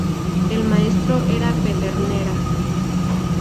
El maestro era Pedernera.